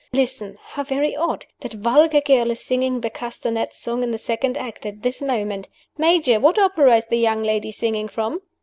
Listen! How very odd! That vulgar girl is singing the castanet song in the second act at this moment. Major! what opera is the young lady singing from?"